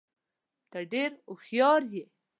ته ډېر هوښیار یې.